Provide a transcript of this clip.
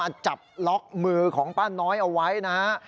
จับล็อกมือของป้าน้อยเอาไว้นะฮะ